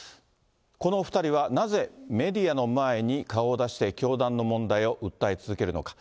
このお２人がなぜメディアの前に顔を出して、教団の問題を訴え続けるのか。